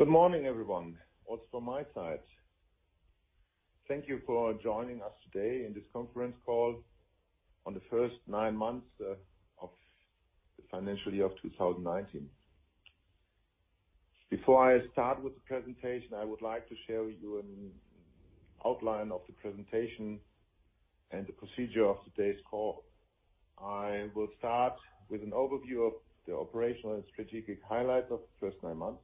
Good morning, everyone, also from my side. Thank you for joining us today in this conference call on the first nine months of the financial year of 2019. Before I start with the presentation, I would like to share with you an outline of the presentation and the procedure of today's call. I will start with an overview of the operational and strategic highlights of the first nine months,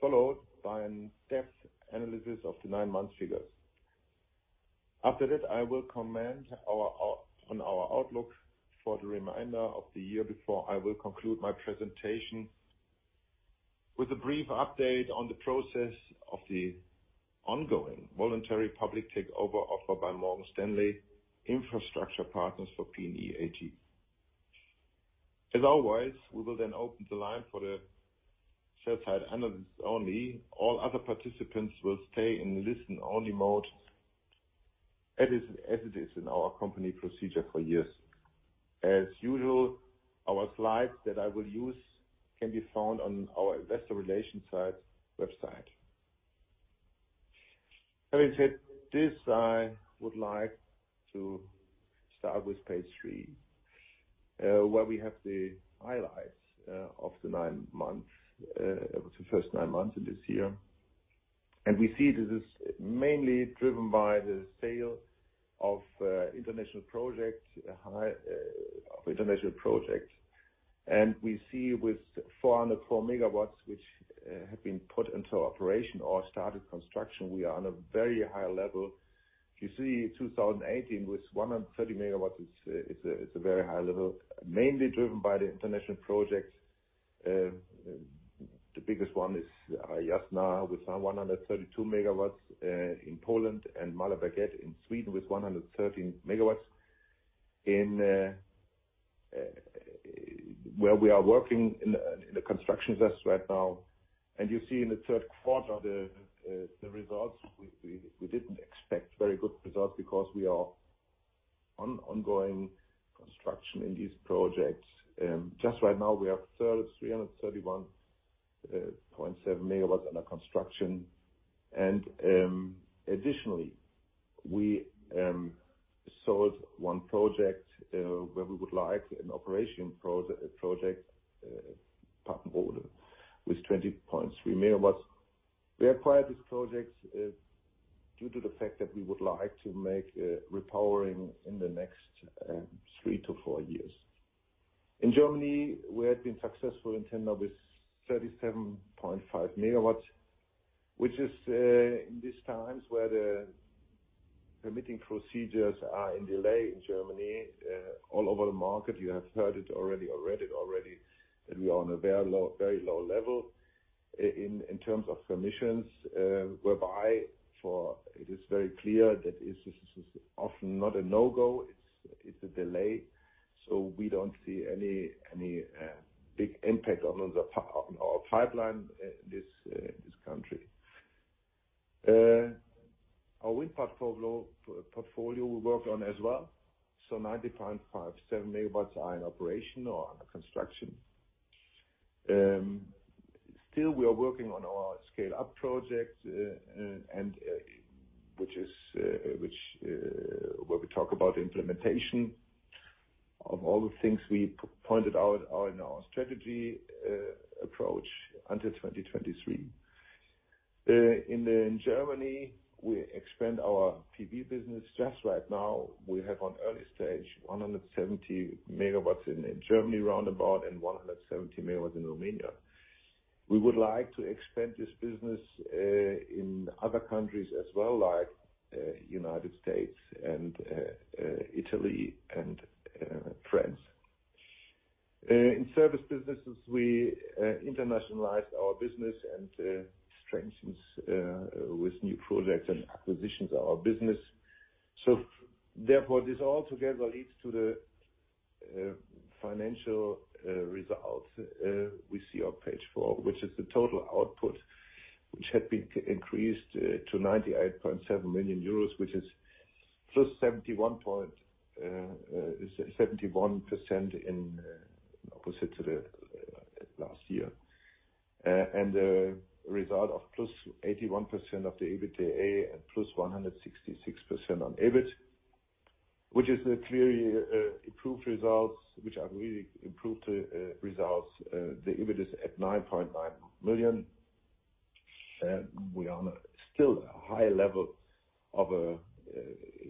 followed by an in-depth analysis of the nine months figures. After that, I will comment on our outlook for the remainder of the year before I will conclude my presentation with a brief update on the process of the ongoing voluntary public takeover offer by Morgan Stanley Infrastructure Partners for PNE AG. As always, we will then open the line for the sell-side analysts only. All other participants will stay in listen-only mode, as it is in our company procedure for years. As usual, our slides that I will use can be found on our investor relations site website. Having said this, I would like to start with page three, where we have the highlights of the first nine months of this year. We see this is mainly driven by the sale of international projects. We see with 404 MW, which have been put into operation or started construction, we are on a very high level. You see 2018 with 130 MW is a very high level, mainly driven by the international projects. The biggest one is Jasna with 132 MW in Poland and Målarberget in Sweden with 113 MW, where we are working in the construction phase right now. You see in the third quarter, the results, we didn't expect very good results because we are ongoing construction in these projects. Just right now, we have 331.7 MW under construction. Additionally, we sold one project where we would like an operation project, Papenrode, with 20.3 MW. We acquired this project due to the fact that we would like to make repowering in the next three to four years. In Germany, we have been successful in 10 with 37.5 MW, which is in these times where the permitting procedures are in delay in Germany, all over the market, you have heard it already or read it already, that we are on a very low level in terms of permissions, whereby for it is very clear that this is often not a no-go, it's a delay. We don't see any big impact on our pipeline in this country. Our wind portfolio we work on as well. 95.7 MW Are in operation or under construction. Still, we are working on our scale-up project, where we talk about implementation of all the things we pointed out in our strategy approach until 2023. In Germany, we expand our PV business. Just right now, we have on early stage 170 megawatts in Germany roundabout and 170 megawatts in Romania. We would like to expand this business in other countries as well, like United States and Italy and France. In service businesses, we internationalize our business and strengthen with new projects and acquisitions of our business. Therefore, this all together leads to the financial results we see on page four, which is the total output, which had been increased to 98.7 million euros, which is +71% in opposite to the last year. The result of +81% of the EBITDA and +166% on EBIT, which are really improved results. The EBIT is at 9.9 million, and we are on a still high level of a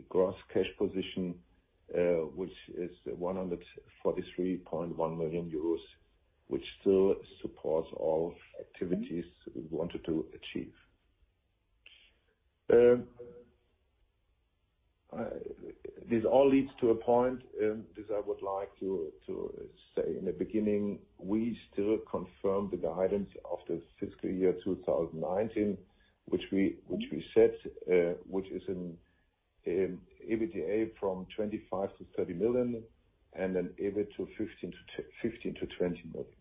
gross cash position, which is 143.1 million euros, which still supports all activities we wanted to achieve. This all leads to a point, this I would like to say in the beginning, we still confirm the guidance of the fiscal year 2019, which we set, which is in EBITDA from 25 million-30 million and then EBIT to 15 million-20 million.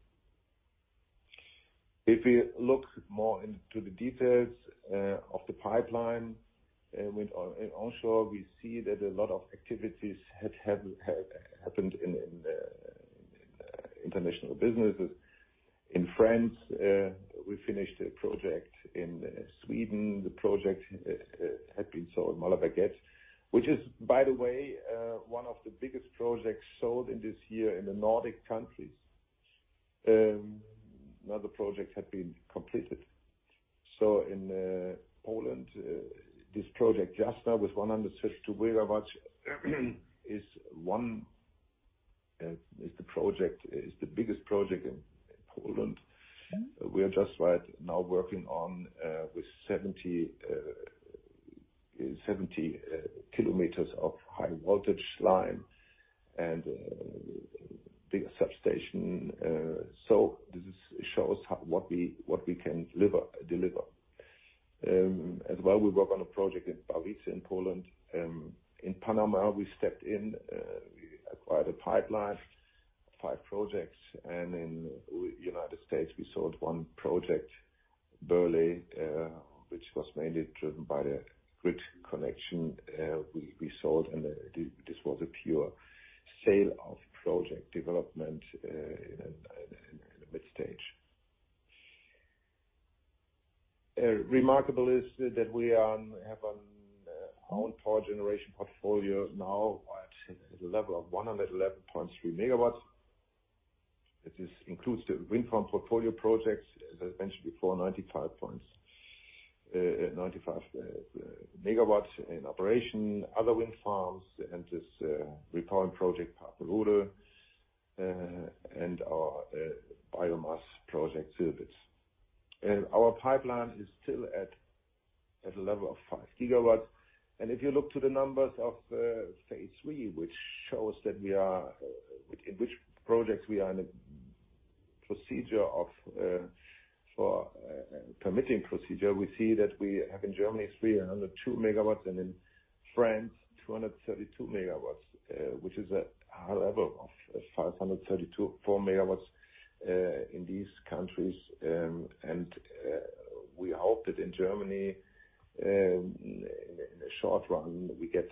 If we look more into the details of the pipeline with onshore, we see that a lot of activities have happened in international businesses. In France, we finished a project. In Sweden, the project had been sold, Målarberget, which is, by the way, one of the biggest projects sold in this year in the Nordic countries. In Poland, this project, Jastrzebie, with 162 MW, is the biggest project in Poland. We are just right now working on with 70 km of high voltage line and bigger substation. This shows what we can deliver. As well, we work on a project in Balice in Poland. In Panama, we stepped in, we acquired a pipeline, five projects, and in the U.S., we sold one project, Burleigh, which was mainly driven by the grid connection we sold, and this was a pure sale of project development in a mid stage. Remarkable is that we have an own power generation portfolio now at a level of 111.3 MW. This includes the wind farm portfolio projects, eventually 495 MW in operation, other wind farms, and this repowering project, Papenrode, and our biomass project, Silbitz. Our pipeline is still at a level of 5 GW. If you look to the numbers of phase 3, which shows in which projects we are in a permitting procedure, we see that we have in Germany 302 MW and in France 232 MW, which is a high level of 534 MW in these countries. We hope that in Germany, in the short run, we get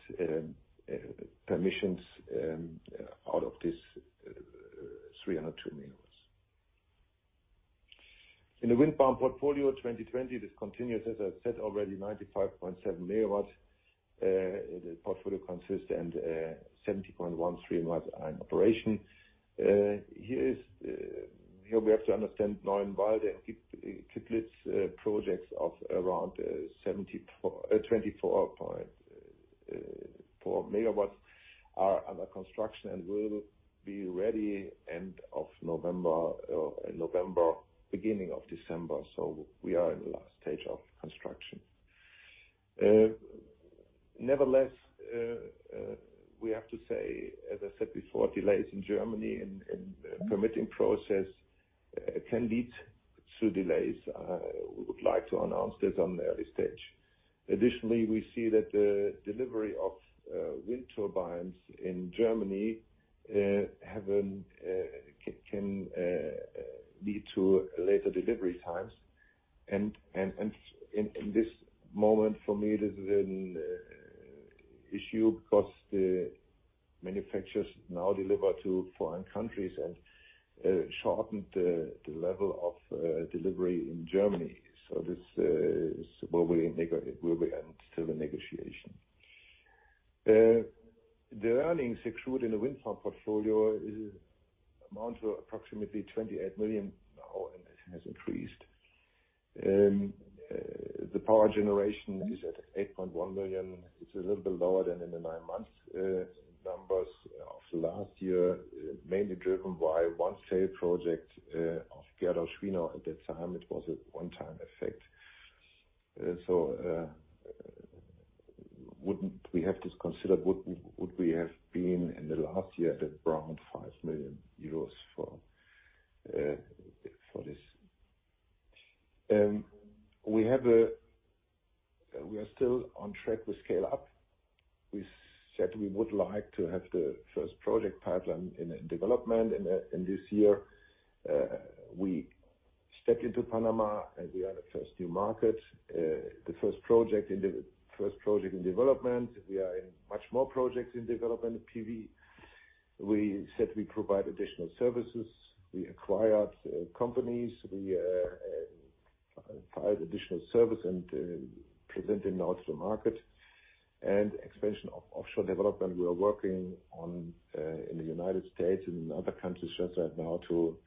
permissions out of this 302 MW. In the wind farm portfolio 2020, this continues, as I said, already 95.7 MW. The portfolio consists and 70.13 MW are in operation. Here we have to understand, Neuenwalde and Kittlitz projects of around 24.4 MW are under construction and will be ready end of November, beginning of December. We are in the last stage of construction. Nevertheless, we have to say, as I said before, delays in Germany and permitting process can lead to delays. We would like to announce this on the early stage. Additionally, we see that the delivery of wind turbines in Germany can lead to later delivery times. In this moment, for me, this is an issue because the manufacturers now deliver to foreign countries and shortened the level of delivery in Germany. This is where we enter the negotiation. The earnings accrued in the wind farm portfolio amount to approximately 28 million now, and it has increased. The power generation is at 8.1 million. It's a little bit lower than in the nine months numbers of last year, mainly driven by one sale project of Gerdau-Schwienau. At that time, it was a one-time effect. We have to consider, would we have been in the last year at around 5 million euros for this. We are still on track with scale-up. We said we would like to have the first project pipeline in development. This year, we stepped into Panama, and we are the first new market. The first project in development. We are in much more projects in development, PV. We said we provide additional services. We acquired companies. We filed additional service and present them now to the market. Expansion of offshore development, we are working on in the U.S. and in other countries just right now to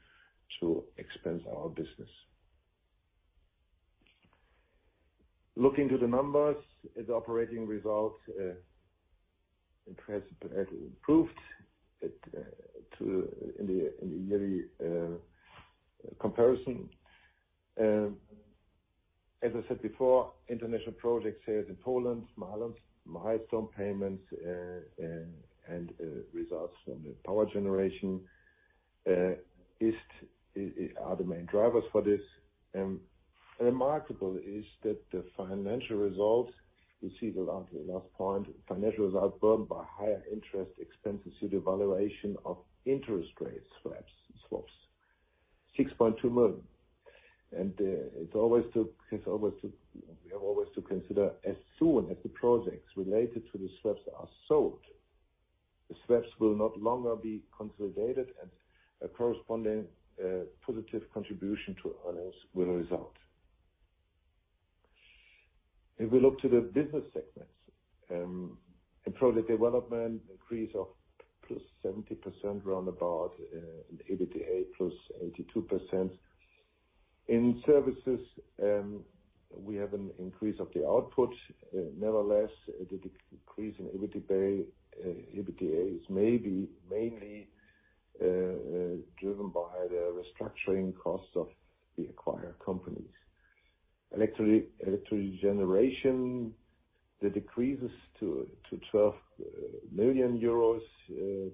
expand our business. Looking to the numbers, the operating results improved in the yearly comparison. As I said before, international project sales in Poland, milestone payments, and results from the power generation are the main drivers for this. Remarkable is that the financial results, you see the last point, financial results burdened by higher interest expenses due to valuation of interest rate swaps, 6.2 million. We have always to consider as soon as the projects related to the swaps are sold, the swaps will not longer be consolidated and a corresponding positive contribution to earnings will result. If we look to the business segments, in project development, increase of plus 70% roundabout and EBITDA plus 82%. In services, we have an increase of the output. Nevertheless, the decrease in EBITDA is mainly driven by the restructuring costs of the acquired companies. Electric generation, the decrease is to 12 million euros,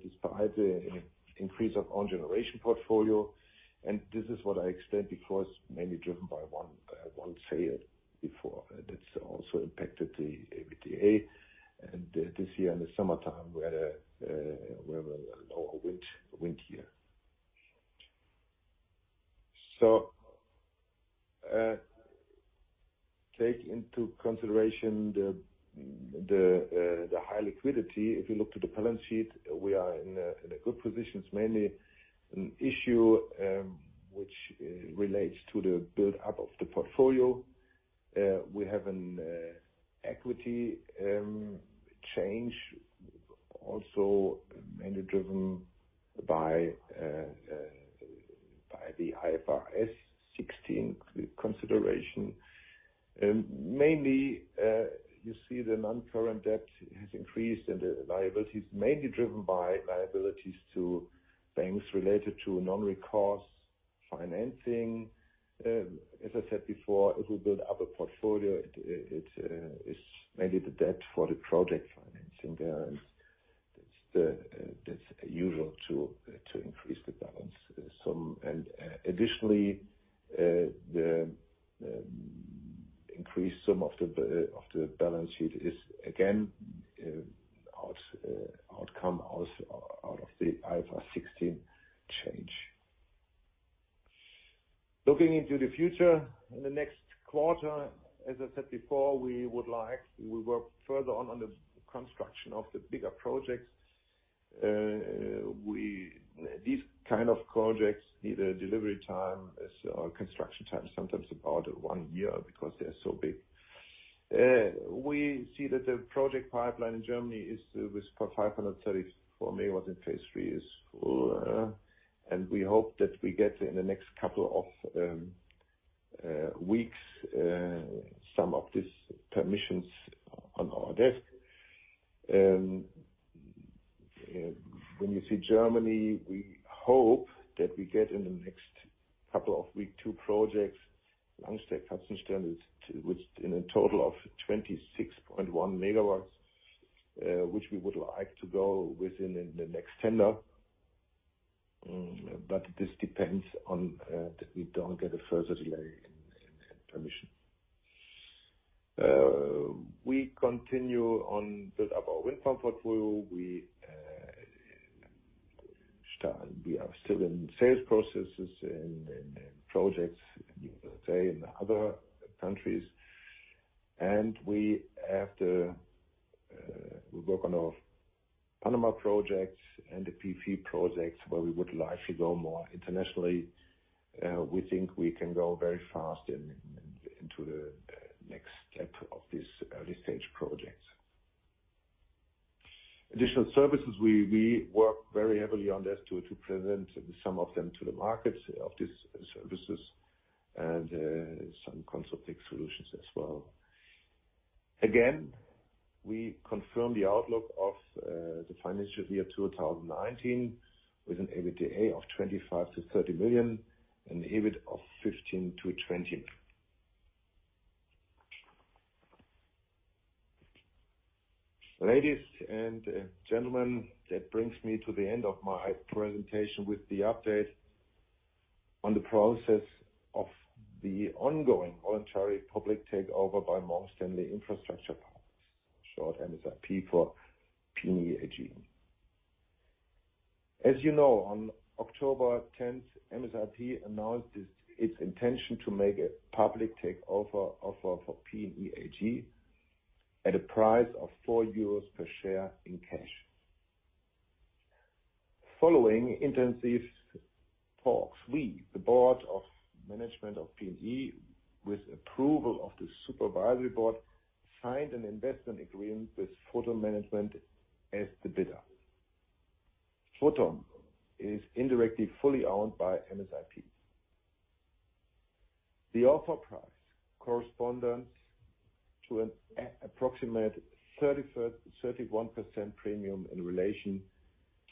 despite the increase of own generation portfolio. This is what I explained before. It's mainly driven by one sale before. That's also impacted the EBITDA, and this year in the summertime, we had a lower wind year. Take into consideration the high liquidity. If you look to the balance sheet, we are in a good position. It's mainly an issue, which relates to the buildup of the portfolio. We have an equity change also mainly driven by the IFRS 16 consideration. Mainly, you see the non-current debt has increased and the liability is mainly driven by liabilities to banks related to non-recourse financing. As I said before, if we build up a portfolio, it is mainly the debt for the project financing. That's usual to increase the balance. Additionally, the increased sum of the balance sheet is again, outcome out of the IFRS 16 change. Looking into the future, in the next quarter, as I said before, we will work further on the construction of the bigger projects. These kind of projects need a delivery time as our construction time, sometimes about one year because they're so big. We see that the project pipeline in Germany with 534 MW in phase three is full. We hope that we get, in the next couple of weeks, some of these permissions on our desk. When you see Germany, we hope that we get in the next couple of week two projects, Langstedt and Katzenstirn, with in a total of 26.1 MW, which we would like to go within the next tender. This depends on that we don't get a further delay in permission. We continue on build up our wind farm portfolio. We are still in sales processes in projects in the U.K. and other countries, and we work on our Panama projects and the PV projects where we would like to go more internationally. We think we can go very fast into the next step of these early-stage projects. Additional services, we work very heavily on this to present some of them to the markets of these services and some consulting solutions as well. Again, we confirm the outlook of the financial year 2019 with an EBITDA of 25 million-30 million and EBIT of 15 million-20 million. Ladies and gentlemen, that brings me to the end of my presentation with the update on the process of the ongoing voluntary public takeover by Morgan Stanley Infrastructure Partners, short MSIP for PNE AG. As you know, on October 10th, MSIP announced its intention to make a public takeover offer for PNE AG at a price of 4 euros per share in cash. Following intensive talks, we, the board of management of PNE, with approval of the supervisory board, signed an investment agreement with Photon Management as the bidder. Photon is indirectly fully owned by MSIP. The offer price corresponds to an approximate 31% premium in relation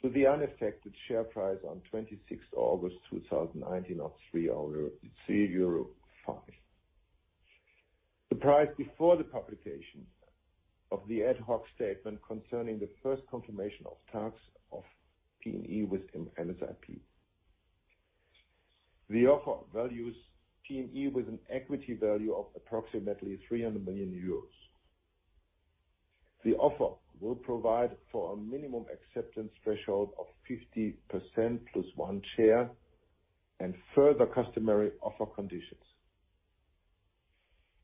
to the unaffected share price on 26th August 2019 of 3.5, the price before the publication of the ad hoc statement concerning the first confirmation of talks of PNE with MSIP. The offer values PNE with an equity value of approximately 300 million euros. The offer will provide for a minimum acceptance threshold of 50% plus one share and further customary offer conditions.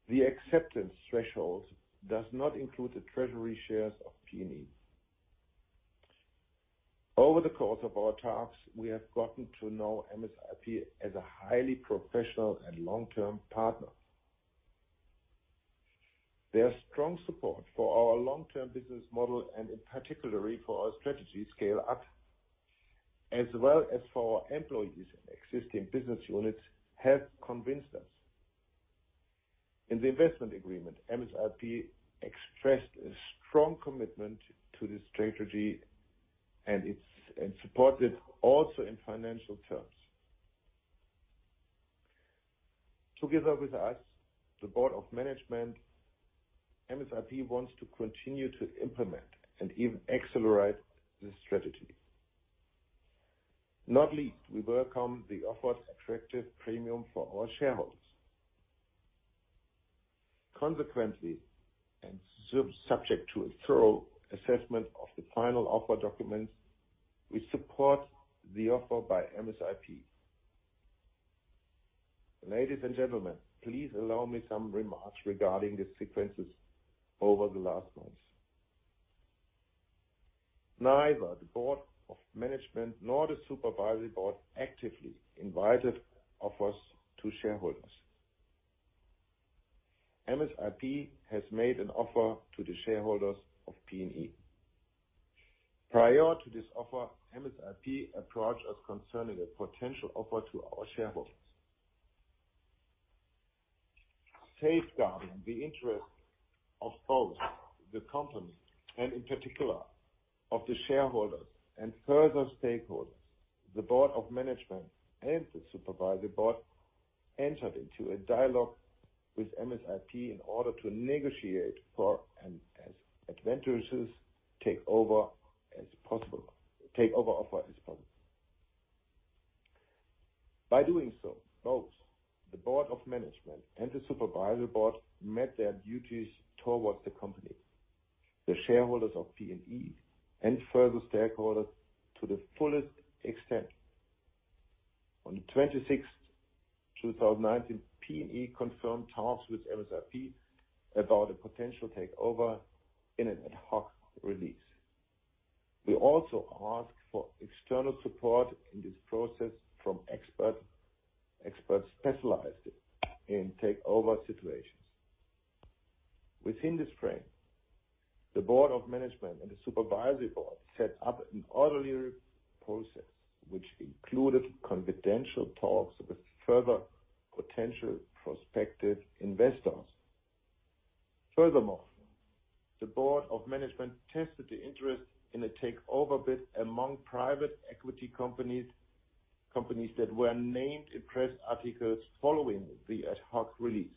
The acceptance threshold does not include the treasury shares of PNE. Over the course of our talks, we have gotten to know MSIP as a highly professional and long-term partner. Their strong support for our long-term business model and in particular for our strategy scale-up, as well as for our employees and existing business units, have convinced us. In the investment agreement, MSIP expressed a strong commitment to this strategy and support it also in financial terms. Together with us, the board of management, MSIP wants to continue to implement and even accelerate this strategy. Not least, we welcome the offered attractive premium for our shareholders. Subject to a thorough assessment of the final offer documents, we support the offer by MSIP. Ladies and gentlemen, please allow me some remarks regarding the sequences over the last months. Neither the board of management nor the supervisory board actively invited offers to shareholders. MSIP has made an offer to the shareholders of PNE. Prior to this offer, MSIP approached us concerning a potential offer to our shareholders. Safeguarding the interest of both the company and in particular of the shareholders and further stakeholders, the board of management and the supervisory board entered into a dialogue with MSIP in order to negotiate for as advantageous takeover offer as possible. By doing so, both the board of management and the supervisory board met their duties towards the company, the shareholders of PNE, and further stakeholders to the fullest extent. On the 26th 2019, PNE confirmed talks with MSIP about a potential takeover in an ad hoc release. We also asked for external support in this process from experts specialized in takeover situations. Within this frame, the board of management and the supervisory board set up an orderly process, which included confidential talks with further potential prospective investors. The board of management tested the interest in a takeover bid among private equity companies that were named in press articles following the ad hoc release.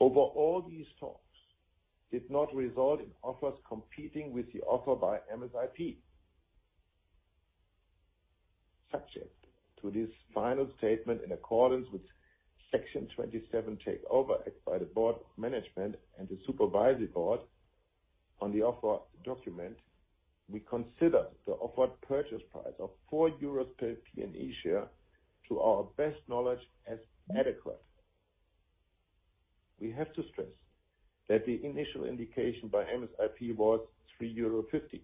Over all these talks did not result in offers competing with the offer by MSIP. Subject to this final statement in accordance with Section 27 Takeover Act by the board of management and the supervisory board on the offer document, we consider the offered purchase price of 4 euros per PNE share, to our best knowledge, as adequate. We have to stress that the initial indication by MSIP was 3.50.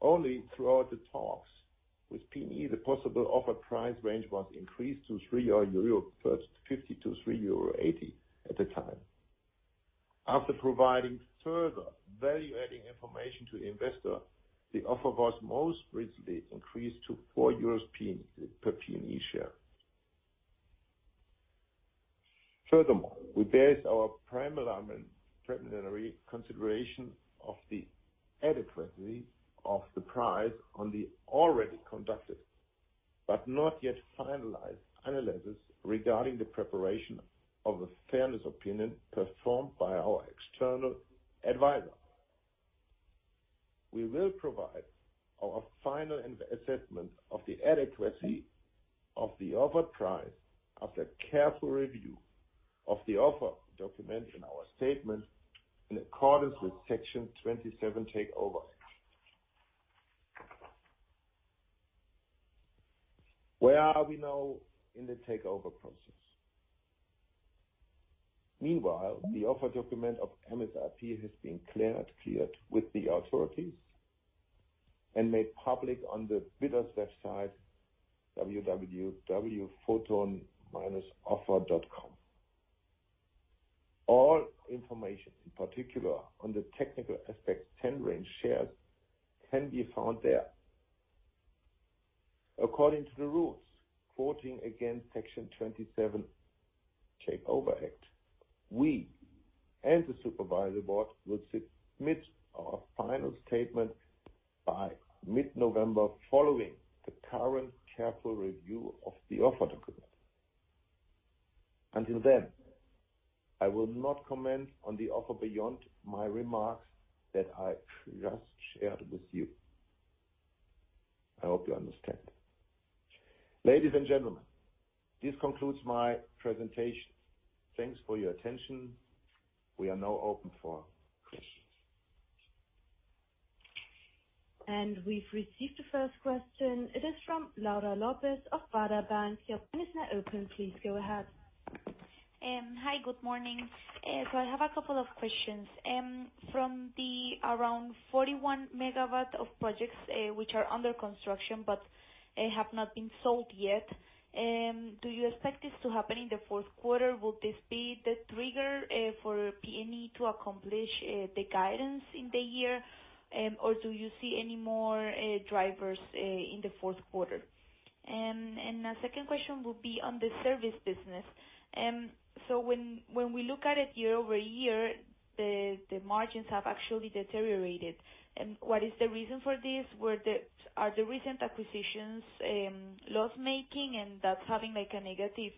Only throughout the talks with PNE, the possible offer price range was increased to 3.50-3.80 euro at the time. After providing further value-adding information to the investor, the offer was most recently increased to 4 euros per PNE share. Furthermore, we base our preliminary consideration of the adequacy of the price on the already conducted, but not yet finalized, analysis regarding the preparation of a fairness opinion performed by our external advisor. We will provide our final assessment of the adequacy of the offered price after careful review of the offer document in our statement in accordance with Section 27 Takeover Act. Where are we now in the takeover process? Meanwhile, the offer document of MSIP has been cleared with the authorities and made public on the bidder's website, www.photon-offer.com. All information, in particular on the technical aspects tendering shares, can be found there. According to the rules quoting again Section 27 Takeover Act, we and the supervisory board will submit our final statement by mid-November following the current careful review of the offer document. Until then, I will not comment on the offer beyond my remarks that I just shared with you. I hope you understand. Ladies and gentlemen, this concludes my presentation. Thanks for your attention. We are now open for questions. We've received the first question. It is from Laura Lopez of Baader Helvea. Your line is now open. Please go ahead. Hi, good morning. I have a couple of questions. From the around 41 MW of projects which are under construction but have not been sold yet, do you expect this to happen in the fourth quarter? Will this be the trigger for PNE to accomplish the guidance in the year, or do you see any more drivers in the fourth quarter? A second question will be on the service business. When we look at it year-over-year, the margins have actually deteriorated. What is the reason for this? Are the recent acquisitions loss-making and that's having a negative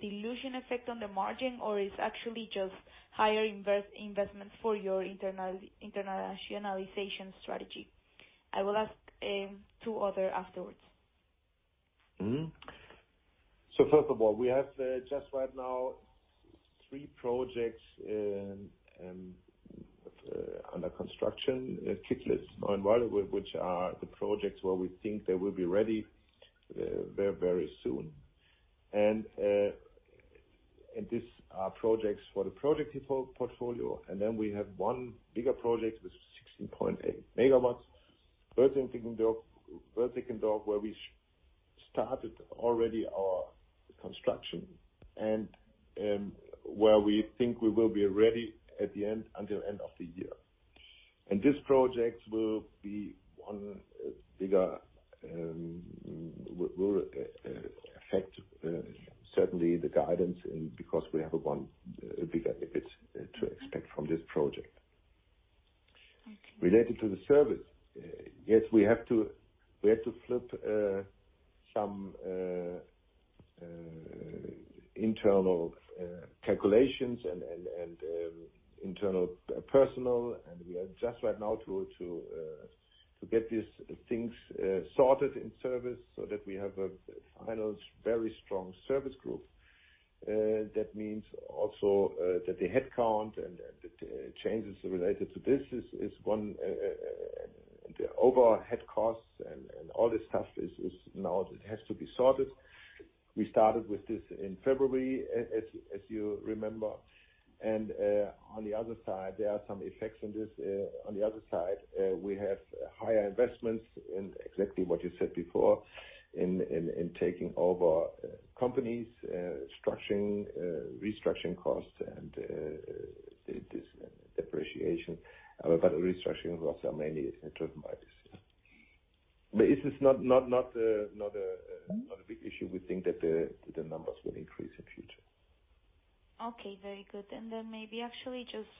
dilution effect on the margin, or it's actually just higher investments for your internationalization strategy? I will ask two other afterwards. First of all, we have just right now three projects under construction, Kittlitz, Neuenwalde, which are the projects where we think they will be ready very soon. These are projects for the project portfolio, then we have one bigger project with 16.8 MW, Wölsickendor, where we started already our construction and where we think we will be ready until end of the year. This project will affect certainly the guidance because we have one bigger EBIT to expect from this project. Okay. Related to the service, yes, we had to flip some internal calculations and internal personnel. We are just right now to get these things sorted in service so that we have a final, very strong service group. That means also that the headcount and the changes related to this. The overall head costs and all this stuff is now, it has to be sorted. We started with this in February, as you remember. On the other side, there are some effects in this. On the other side, we have higher investments in exactly what you said before, in taking over companies, structuring, restructuring costs and this depreciation. The restructuring costs are mainly driven by this. This is not a big issue. We think that the numbers will increase in future. Okay, very good. Maybe actually just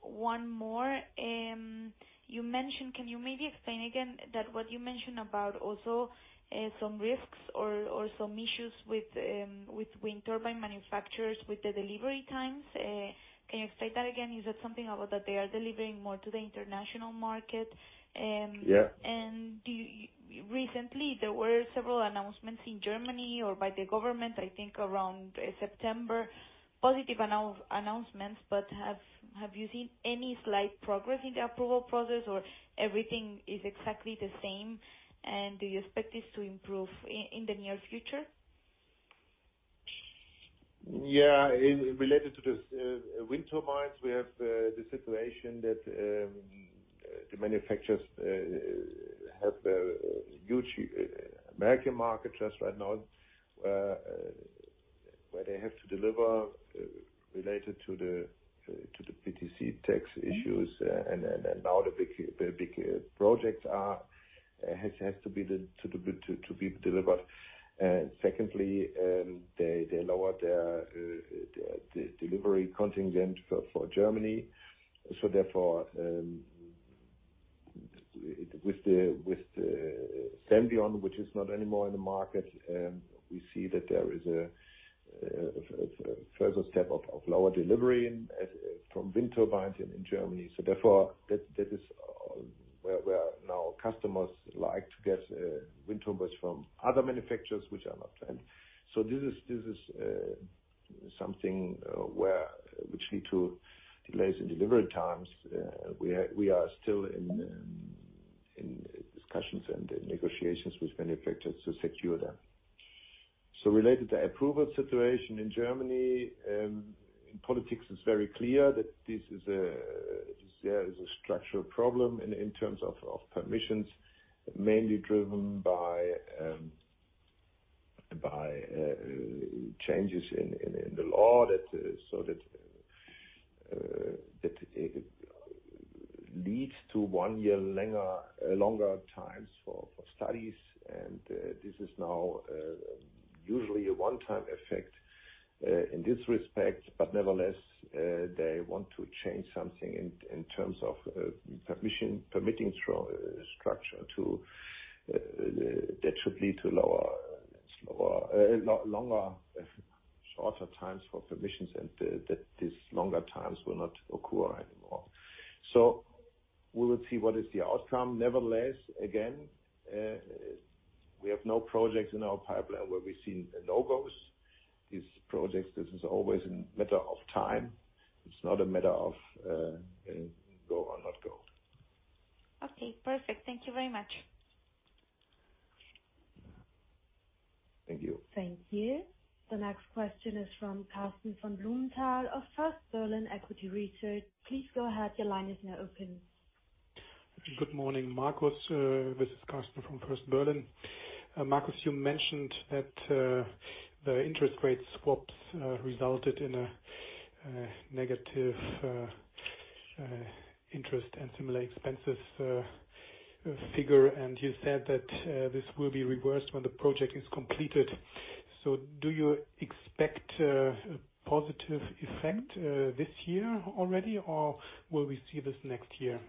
one more. Can you maybe explain again that what you mentioned about also some risks or some issues with wind turbine manufacturers with the delivery times? Can you explain that again? Is that something about that they are delivering more to the international market? Yeah. Recently, there were several announcements in Germany or by the government, I think around September, positive announcements, have you seen any slight progress in the approval process, or everything is exactly the same? Do you expect this to improve in the near future? Related to this wind turbines, we have the situation that the manufacturers have a huge American market just right now, where they have to deliver related to the PTC tax issues. Now the big projects has to be delivered. Secondly, they lowered their delivery contingent for Germany. Therefore, with the Senvion, which is not anymore in the market, we see that there is a further step of lower delivery from wind turbines in Germany. Therefore, that is where now customers like to get wind turbines from other manufacturers, which are not planned. We are still in discussions and negotiations with manufacturers to secure them. Related to approval situation in Germany, in politics, it's very clear that there is a structural problem in terms of permissions, mainly driven by changes in the law so that leads to one year longer times for studies, and this is now usually a one-time effect in this respect. Nevertheless, they want to change something in terms of permitting structure that should lead to lower slower, longer, shorter times for permissions and that these longer times will not occur anymore. We will see what is the outcome. Nevertheless, again, we have no projects in our pipeline where we see no-gos. These projects, this is always a matter of time. It's not a matter of go or not go. Okay, perfect. Thank you very much. Thank you. Thank you. The next question is from Karsten von Blumenthal of First Berlin Equity Research. Please go ahead. Your line is now open. Good morning, Markus. This is Karsten from First Berlin. Markus, you mentioned that the interest rate swaps resulted in a negative interest and similar expenses figure, and you said that this will be reversed when the project is completed. Do you expect a positive effect this year already, or will we see this next year?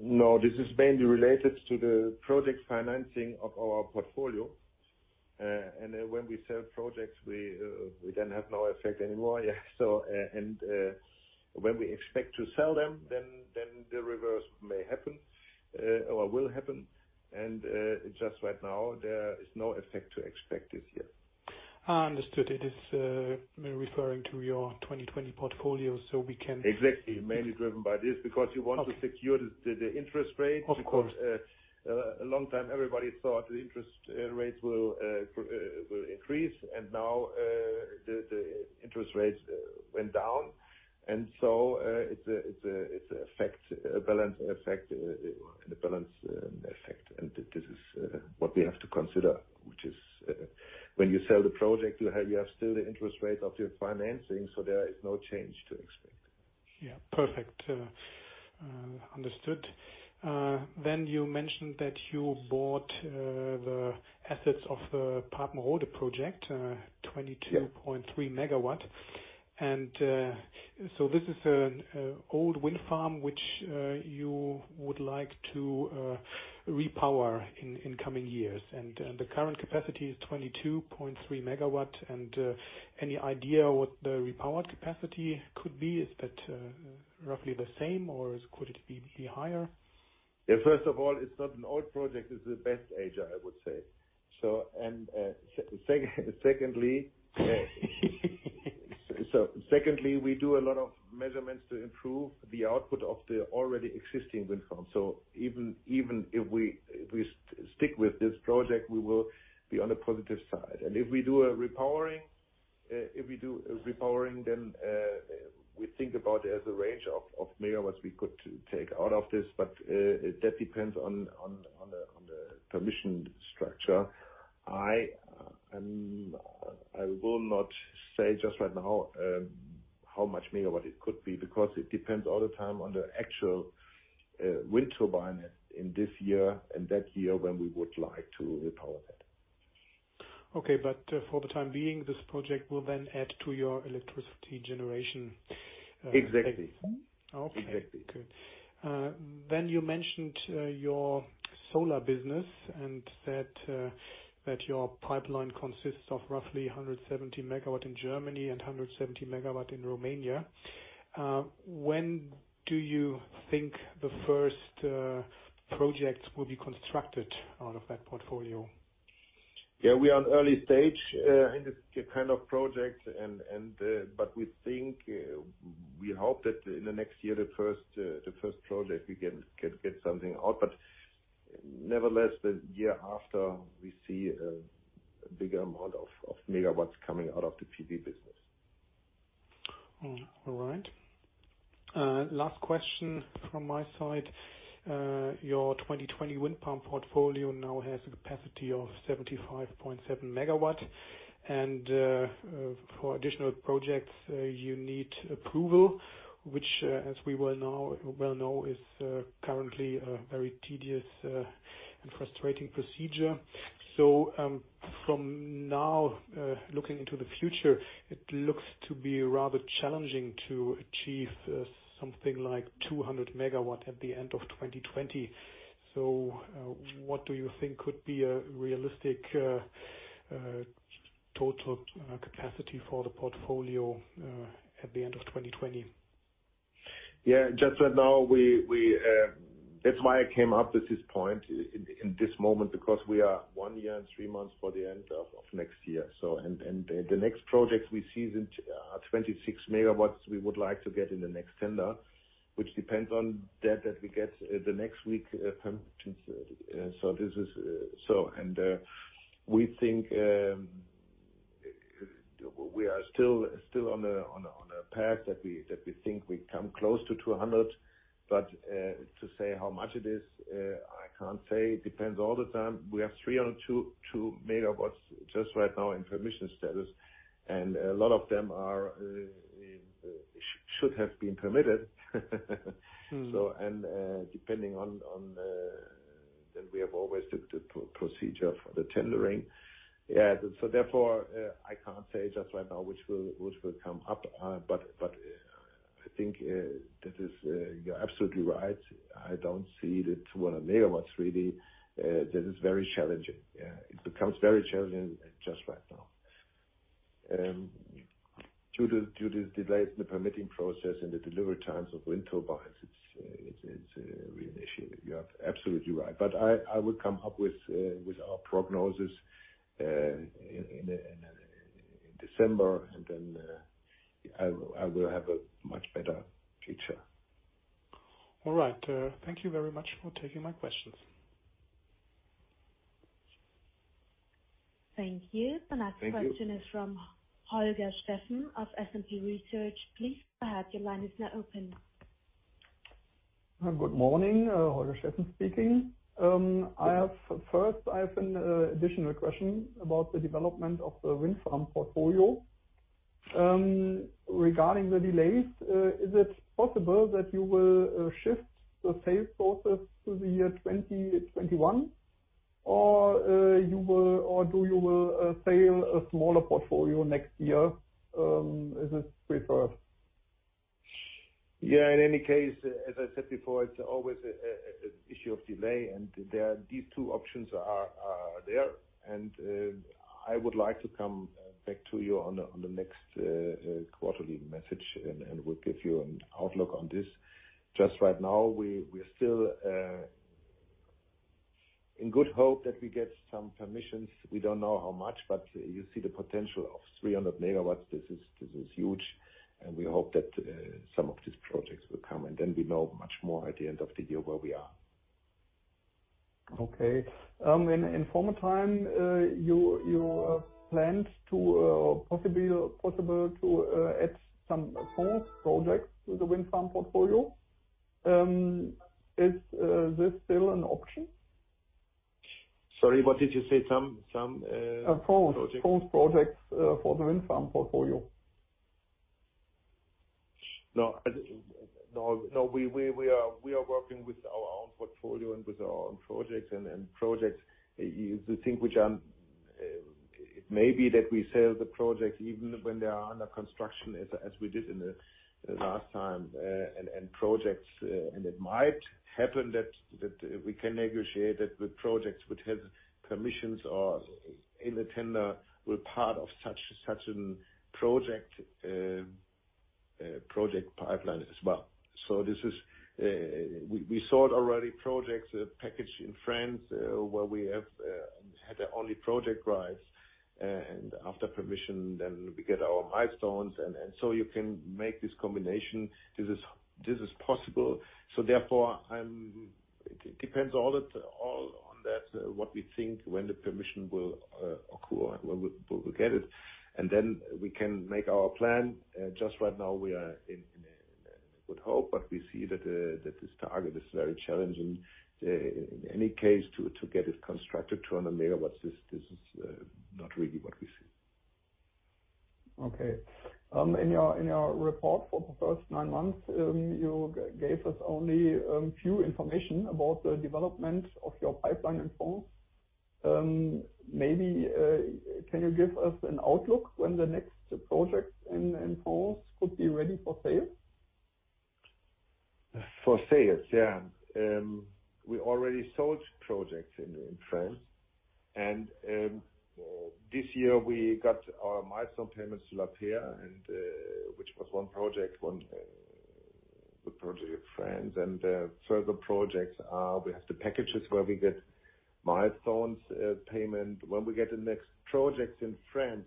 No, this is mainly related to the project financing of our portfolio. When we sell projects, we then have no effect anymore. When we expect to sell them, then the reverse may happen, or will happen. Just right now, there is no effect to expect this year. Understood. It is referring to your 2020 portfolio. Exactly. Mainly driven by this because you want to secure the interest rates. Of course. A long time everybody thought the interest rates will increase, and now the interest rates went down. It's a balance effect, this is what we have to consider, which is when you sell the project, you have still the interest rate of your financing, there is no change to expect. Yeah. Perfect. Understood. Then you mentioned that you bought the assets of the Papenrode project, 22.3 megawatt. So this is an old wind farm, which you would like to repower in coming years. The current capacity is 22.3 megawatt. Any idea what the repowered capacity could be? Is that roughly the same or could it be higher? Yeah, first of all, it's not an old project, it's the best age, I would say. Secondly, we do a lot of measurements to improve the output of the already existing wind farm. If we do a repowering, then we think about as a range of megawatts we could take out of this. That depends on the permission structure. I will not say just right now how much megawatt it could be, because it depends all the time on the actual wind turbine in this year and that year when we would like to repower that. Okay, for the time being, this project will then add to your electricity generation. Exactly. Okay, good. You mentioned your solar business and that your pipeline consists of roughly 170 MW in Germany and 170 MW in Romania. When do you think the first projects will be constructed out of that portfolio? Yeah, we are at early stage in this kind of project and, but we think, we hope that in the next year, the first project, we can get something out. Nevertheless, the year after, we see a bigger amount of megawatts coming out of the PV business. All right. Last question from my side. Your 2020 wind farm portfolio now has a capacity of 75.7 MW. For additional projects, you need approval, which, as we well know, is currently a very tedious, and frustrating procedure. From now, looking into the future, it looks to be rather challenging to achieve something like 200 MW at the end of 2020. What do you think could be a realistic total capacity for the portfolio, at the end of 2020? Yeah, just right now, that is why I came up with this point in this moment, because we are one year and three months for the end of next year. The next projects we see are 26 MW, we would like to get in the next tender, which depends on that we get the next week. And, we think, we are still on a path that we think we come close to 200, but, to say how much it is, I cannot say. It depends all the time. We have 302 MW just right now in permission status, and a lot of them should have been permitted. And, depending on, then we have always the procedure for the tendering. Yeah. Therefore, I cannot say just right now, which will come up. But I think that is, you are absolutely right. I do not see the 200 MW really. This is very challenging. Yeah. It becomes very challenging just right now. Due to delays in the permitting process and the delivery times of wind turbines, it's a real issue. You are absolutely right. I will come up with our prognosis in December, and then I will have a much better picture. All right. Thank you very much for taking my questions. Thank you. Thank you. The next question is from Holger Steffen of SMC Research. Please go ahead. Your line is now open. Good morning, Holger Steffen speaking. I have an additional question about the development of the wind farm portfolio. Regarding the delays, is it possible that you will shift the sales process to the year 2021, or do you will sell a smaller portfolio next year? Is it preferred? Yeah, in any case, as I said before, it's always an issue of delay, and these two options are there. I would like to come back to you on the next quarterly message, and we'll give you an outlook on this. Just right now, we are still in good hope that we get some permissions. We don't know how much, but you see the potential of 300 MW. This is huge, and we hope that some of these projects will come, and then we know much more at the end of the year where we are. Okay. In former time, you planned to possibly add some France projects to the wind farm portfolio. Is this still an option? Sorry, what did you say? France projects for the wind farm portfolio. No, we are working with our own portfolio and with our own projects. Projects, it may be that we sell the projects even when they are under construction, as we did in the last time. Projects, it might happen that we can negotiate that with projects which have permissions or in the tender were part of such a project pipeline as well. We sold already projects packaged in France, where we have had only project rights, and after permission, then we get our milestones. You can make this combination. This is possible. It depends all on that, what we think, when the permission will occur, when we get it. We can make our plan. Just right now, we are in a good hope, but we see that this target is very challenging. In any case, to get it constructed, 200 MW, this is not really what we see. Okay. In your report for the first nine months, you gave us only a few information about the development of your pipeline in France. Maybe can you give us an outlook when the next project in France could be ready for sale? For sale, yeah. We already sold projects in France. This year we got our milestone payments to La Perrière, which was one project with project France. Further projects are, we have the packages where we get milestones payment. When we get the next projects in France,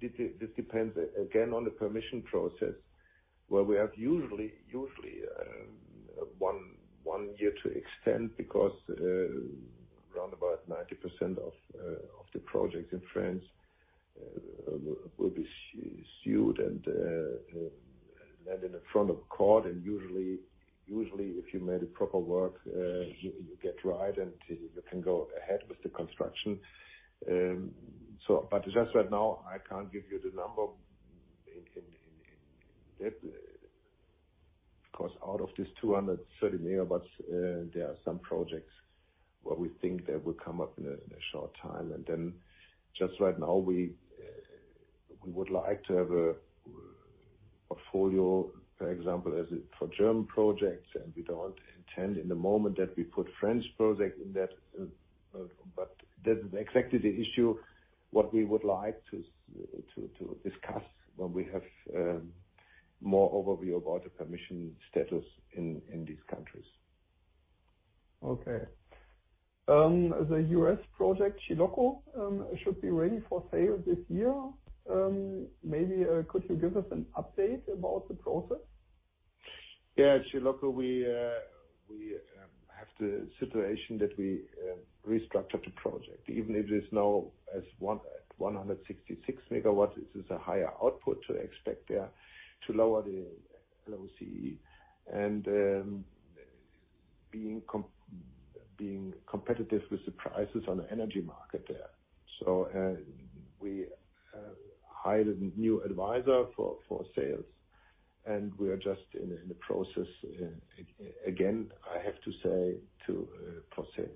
this depends, again, on the permission process, where we have usually one year to extend, because around about 90% of the projects in France will be sued and land in the front of court. Usually, if you made it proper work, you get right and you can go ahead with the construction. Just right now, I can't give you the number in that, because out of these 230 megawatts, there are some projects where we think they will come up in a short time. Then just right now, we would like to have a portfolio, for example, for German projects, and we don't intend in the moment that we put French projects in that. That is exactly the issue, what we would like to discuss when we have more overview about the permission status in these countries. Okay. The U.S. project, Chilocco, should be ready for sale this year. Maybe could you give us an update about the process? Yeah, Chilocco, we have the situation that we restructured the project. Even if it is now at 166 MW, this is a higher output to expect there to lower the LCOE and being competitive with the prices on the energy market there. We hired a new advisor for sales, and we are just in the process, again, I have to say, to proceed.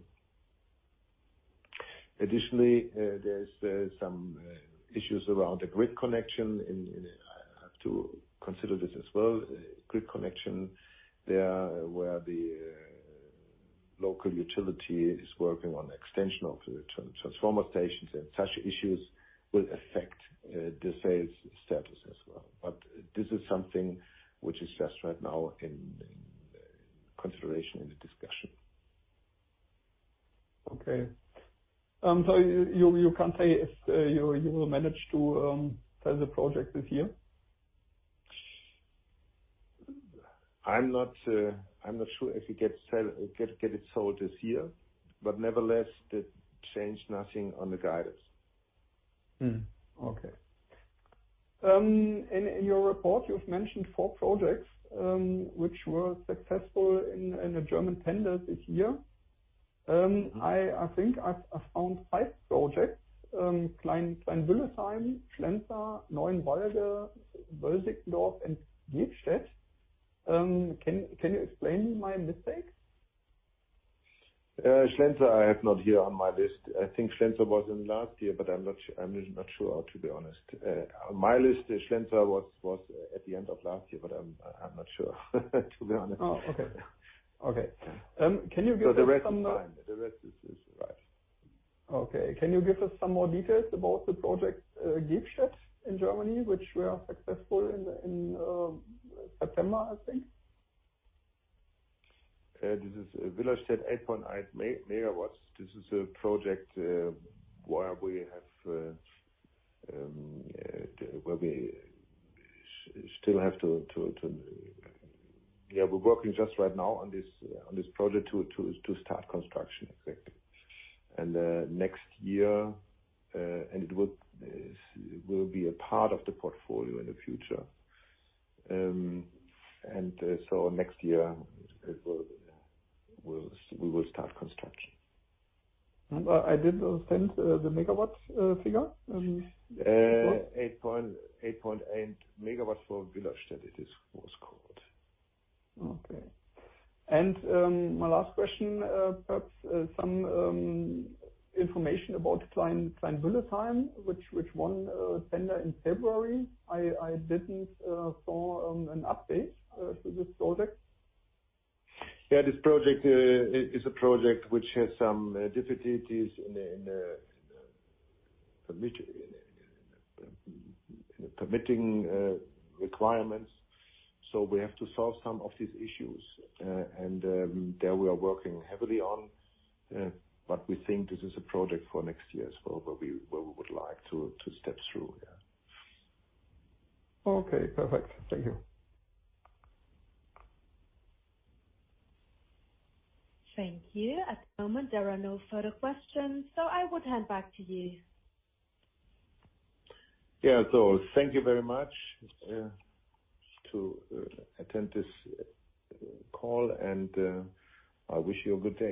Additionally, there's some issues around the grid connection, and I have to consider this as well. Grid connection where the local utility is working on extension of the transformer stations, and such issues will affect the sales status as well. This is something which is just right now in consideration in the discussion. Okay. You can't say if you will manage to sell the project this year? I'm not sure if it gets sold this year, but nevertheless, that changes nothing on the guidance. Okay. In your report, you've mentioned four projects which were successful in the German tender this year. I think I found five projects, Kleinwölfersheim, Schlenzer, Neuenwalde, Bösickendorf, and Gebstedt. Can you explain me my mistake? Schlenzer I have not here on my list. I think Schlenzer was in last year, but I'm not sure to be honest. On my list, Schlenzer was at the end of last year, but I'm not sure to be honest. Oh, okay. The rest is fine. The rest is right. Okay. Can you give us some more details about the project Gebstedt in Germany, which were successful in September, I think? This is Villstedt 8.8 MW. This is a project where we're working just right now on this project to start construction. Exactly. Next year, it will be a part of the portfolio in the future. Next year, we will start construction. I didn't understand the megawatts figure. 8.8 MW for Villstedt it was called. Okay. My last question, perhaps, some information about Kleinwöllersheim, which won a tender in February. I didn't see an update to this project. This project is a project which has some difficulties in the permitting requirements. We have to solve some of these issues, and there we are working heavily on, but we think this is a project for next year as well, where we would like to step through. Okay, perfect. Thank you. Thank you. At the moment, there are no further questions, so I would hand back to you. Yeah. Thank you very much to attend this call, and I wish you a good day.